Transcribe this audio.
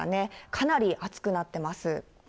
かなり暑くなってます。